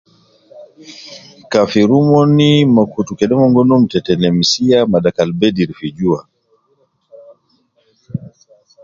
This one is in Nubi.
Kafir omon me kutu kede omon ginum tete lemsiya ma dakal bedir fi jua